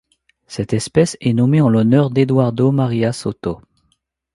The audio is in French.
Cette espèce est nommée en l'honneur d'Eduardo Maria Soto.